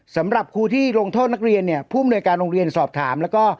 สำหรับครูที่ลงโทษนักเรียนเนี่ยผู้อำนวยการโรงเรียนสอบถามแล้วก็